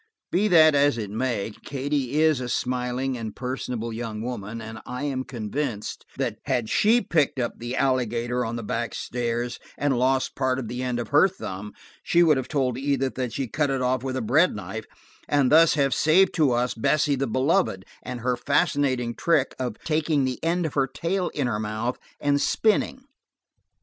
Be that as it may, Katie is a smiling and personable young woman, and I am convinced that had she picked up the alligator on the back stairs and lost part of the end of her thumb, she would have told Edith that she cut it off with the bread knife, and thus have saved to us Bessie the Beloved and her fascinating trick of taking the end of her tail in her mouth and spinning.